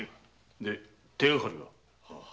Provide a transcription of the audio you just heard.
で手がかりは？